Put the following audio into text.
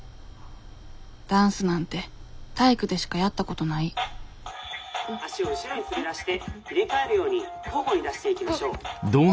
ダンスなんて体育でしかやったことない「足を後ろに滑らして入れ替えるように交互に出していきましょう」。